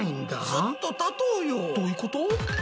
どういうこと？